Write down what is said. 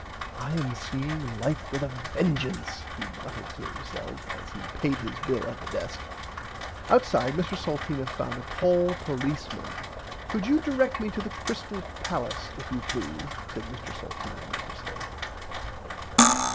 I am seeing life with a vengance he muttered to himself as he paid his bill at the desk. Outside Mr Salteena found a tall policeman. Could you direct me to the Crystale Pallace if you please said Mr Salteena nervously.